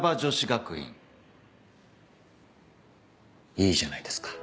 いいじゃないですか。